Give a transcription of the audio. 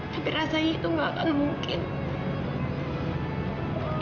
tapi rasanya itu nggak akan mungkin